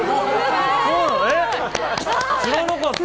知らなかった。